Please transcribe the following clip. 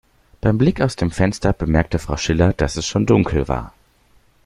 Beim Blick aus dem Fenster bemerkte Frau Schiller, dass es schon dunkel war.